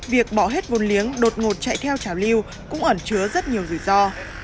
việc bỏ hết vốn liếng đột ngột chạy theo chảo lưu cũng ẩn chứa rất nhiều rủi ro